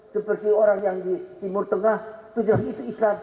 seperti orang yang di timur tengah tujuannya itu islam